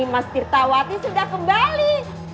mas tirtawati sudah kembali